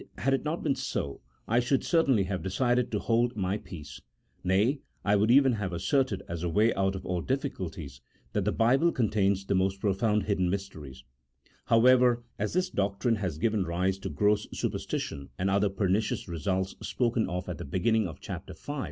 had it not been so, I should certainly have decided to hold my peace, nay, I would even have asserted as a way out of all difficulties that the Bible contains the most profound hidden mysteries ; however, as this doctrine has given rise to gross superstition and other pernicious results spoken of at the beginning of Chapter V.